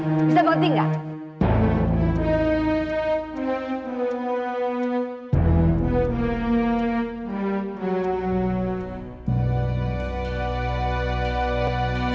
bisa berhenti gak